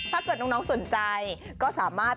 ถ้าเกิดน้องสนใจก็สามารถ